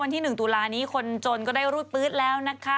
วันที่หนึ่งตุลานี้คนจนได้รุดปื๊ดแล้ว